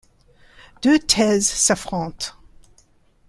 Deux thèses s'affrontent.